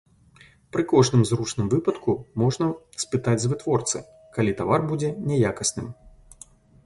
Пры кожным зручным выпадку можна спытаць з вытворцы, калі тавар будзе няякасным.